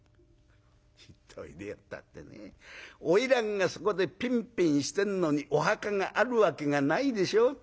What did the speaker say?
「『行っといでよ』ったってね花魁がそこでピンピンしてんのにお墓があるわけがないでしょ？」。